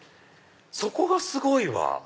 そこがすごいわ！